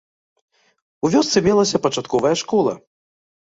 У вёсцы мелася пачатковая школа.